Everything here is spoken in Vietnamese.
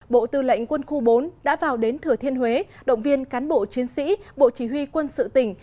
bộ tư lệnh quân khu bốn đã vào đến thừa thiên huế động viên cán bộ chiến sĩ bộ chỉ huy quân sự tỉnh